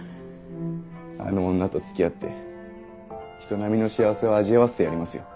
あの女と付き合って人並みの幸せを味わわせてやりますよ。